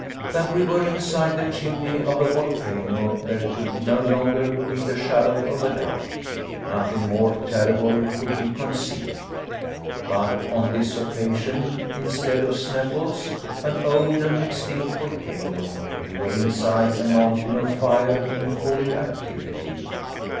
That we were inside the chimney of a volcano there could no longer be the shadow of a doubt. Nothing more terrible could be conceived! But on this occasion, instead of Sneffels, an old and extinct volcano, we were inside a mountain of fire in full activity.